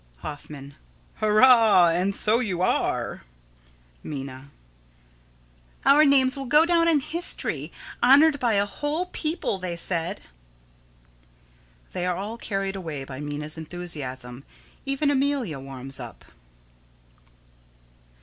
Hoffman: Hurrah! And so you are. Minna: Our names will go down in history, honored by a whole people, they said. [_They are all carried away by Minna's enthusiasm; even Amelia warms up.